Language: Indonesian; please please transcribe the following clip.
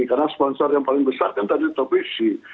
karena sponsor yang paling besar kan tadi televisi